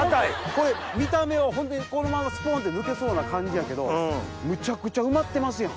これ見た目はホントにこのままスポンって抜けそうな感じやけどむちゃくちゃ埋まってますやん。